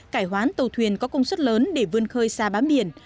cải hoán tàu thuyền có công suất lớn để vươn khơi xa bám biển